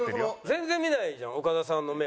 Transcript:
全然見ないじゃん岡田さんの目。